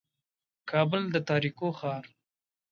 کابل د تاریکو ښار دی.